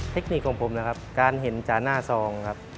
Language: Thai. เทคนิคของผมนะครับการเห็นจากหน้าซองครับ